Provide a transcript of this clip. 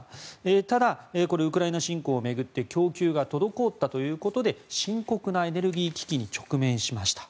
ただ、ウクライナ侵攻を巡って供給が滞ったということで深刻なエネルギー危機に直面しました。